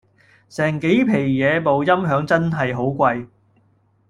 成幾皮野部音響真係好貴